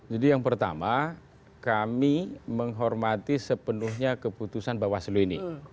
jadi yang pertama kami menghormati sepenuhnya keputusan bawaslu ini